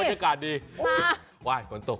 ว้ายมีฝนตก